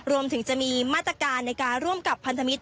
รวมถึงจะมีมาตรการในการร่วมกับพันธมิตร